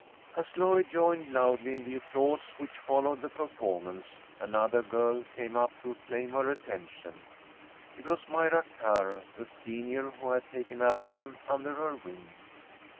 As Lloyd joined loudly in the applause which followed the performance, another girl came up to claim her attention. It was Myra Carr, the senior who had taken Allison under her wing.